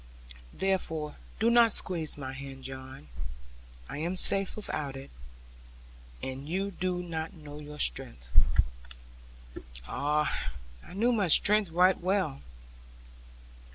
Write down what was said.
Therefore do not squeeze my hand, John; I am safe without it, and you do not know your strength.' Ah, I knew my strength right well.